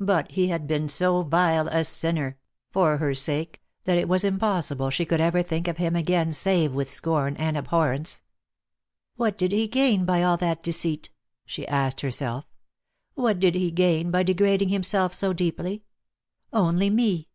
But he had been so vile a sinner — for her sake — that it was impossible she could ever think of him again save with scorn and abhorrence. " What did he gain by all that deceit ?" she asked herself. " What did he gain by degrading himself so deeply. Only mc."